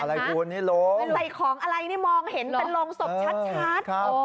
ใส่ของอะไรมองลองเห็นเป็นโรงศพชัด